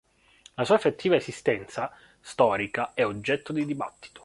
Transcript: La sua effettiva esistenza storica è oggetto di dibattito.